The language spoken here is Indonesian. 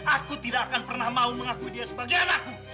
aku tidak akan pernah mau mengakui dia sebagai anakmu